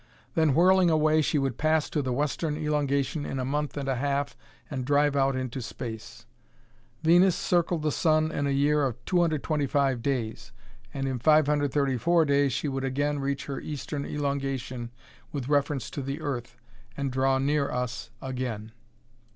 Then whirling away she would pass to the western elongation in a month and a half and drive out into space. Venus circled the sun in a year of 225 days, and in 534 days she would again reach her eastern elongation with reference to the earth, and draw near us again.